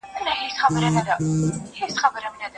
ستا او د ابا کیسه د میني، کورنۍ